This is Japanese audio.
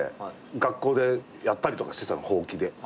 学校でやったりとかしてたのほうきで。